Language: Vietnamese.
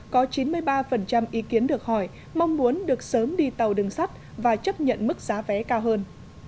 có chín mươi ba ý kiến được hỏi mong muốn được sớm đi tàu đường sắt và chấp nhận mức giá vé cao hơn